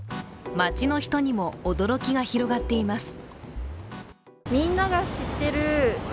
街の人にも驚きが広がっています。